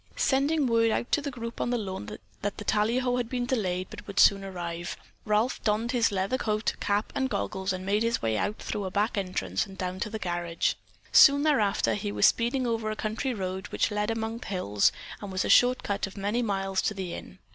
Sending word out to the group on the lawn that the tallyho had been delayed but would soon arrive, Ralph donned his leather coat, cap and goggles and made his way out through a back entrance and down to the garage. Soon thereafter he was speeding over a country road which led among the hills and was a short cut of many miles to the Inn.